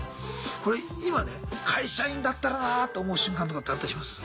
これ今ね会社員だったらなと思う瞬間とかってあったりします？